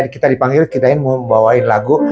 kita dipanggil kitain mau membawain lagu